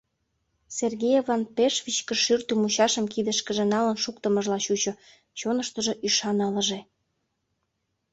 Сергеевлан пеш вичкыж шӱртӧ мучашым кидышкыже налын шуктымыжла чучо, чоныштыжо ӱшан ылыже.